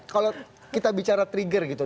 kalau kita bicara trigger gitu